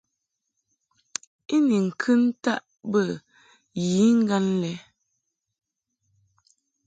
I ni ŋkɨ ntaʼ bə yiŋgan lɛ.